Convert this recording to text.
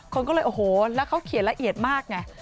คนก็เลยโอ้โหแล้วเขาเขียนละเอียดมากไง